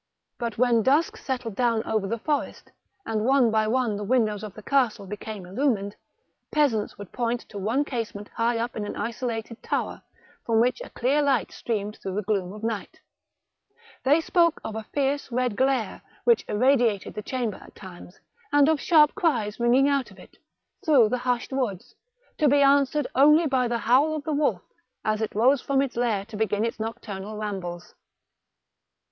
But when dusk settled down over the forest, and one by one the windows of the castle became illumined, pea sants would point to one casement high up in an isolated tower, from which a clear light streamed through the gloom of night ; they spoke of a fierce red glare which irradiated the chamber at times, and of sharp cries ringing out of it, through the hushed woods, to be answered only by the howl of the wolf as it rose from its lair to begin its nocturnal rambles.